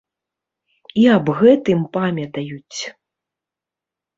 І аб гэтым памятаюць.